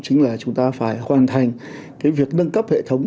chính là chúng ta phải hoàn thành cái việc nâng cấp hệ thống